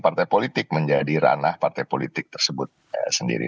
partai politik menjadi ranah partai politik tersebut sendiri